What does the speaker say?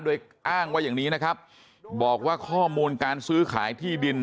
โดยอ้างว่าอย่างนี้นะครับบอกว่าข้อมูลการซื้อขายที่ดิน